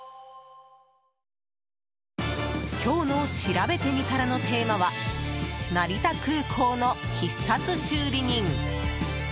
今日のしらべてみたらのテーマは成田空港の必殺修理人。